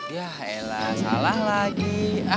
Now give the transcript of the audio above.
yah elah salah lagi